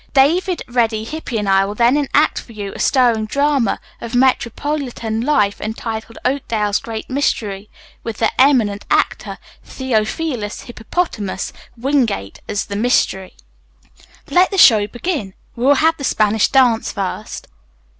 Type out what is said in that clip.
David, Reddy, Hippy and I will then enact for you a stirring drama of metropolitan life entitled 'Oakdale's Great Mystery,' with the eminent actor, Theophilus Hippopotamus Wingate as the 'Mystery.' Let the show begin. We will have the Spanish dance first."